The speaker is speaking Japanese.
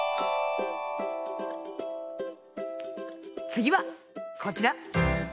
つぎはこちら！